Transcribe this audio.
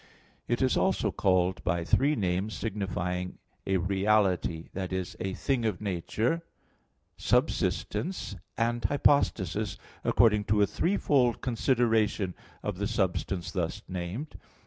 _ It is also called by three names signifying a reality that is, "a thing of nature," "subsistence," and "hypostasis," according to a threefold consideration of the substance thus named.